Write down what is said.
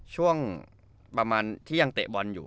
ช่วงประมาณที่ยังเตะบอลอยู่